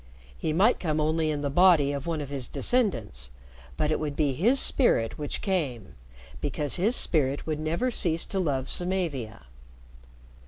He might come only in the body of one of his descendants, but it would be his spirit which came, because his spirit would never cease to love Samavia.